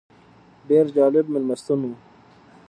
ډېر جالب مېلمستون و.